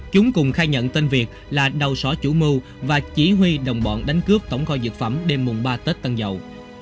chúng cùng khai nhận tên việt là đầu sỏ chủ mưu và chỉ huy đồng bọn đánh cướp tổng kho dược phẩm đêm mùng ba tết tân dậu